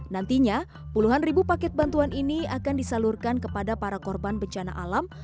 nantinya puluhan ribu paket bantuan ini akan disalurkan kepada para korban bencana alam